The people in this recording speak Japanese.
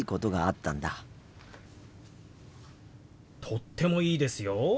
とってもいいですよ。